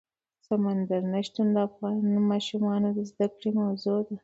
سمندر نه شتون د افغان ماشومانو د زده کړې موضوع ده.